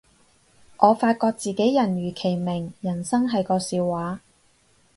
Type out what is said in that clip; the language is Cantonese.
我發覺自己人如其名，人生係個笑話